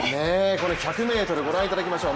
これ１００ｍご覧いただきましょう。